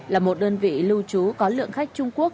là một đơn vị lưu trú có lượng khách trung quốc